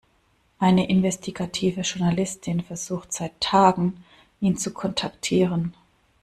Eine investigative Journalistin versucht seit Tagen, ihn zu kontaktieren.